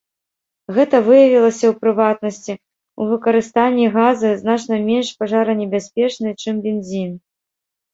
Гэта выявілася, у прыватнасці, у выкарыстанні газы, значна менш пажаранебяспечнай, чым бензін.